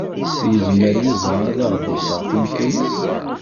Yezmer Yuba ad aɣ-d-iseɣ tinfulin?